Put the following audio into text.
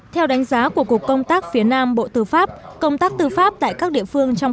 theo đánh giá của cục công tác phía nam bộ tư pháp công tác tư pháp tại các địa phương trong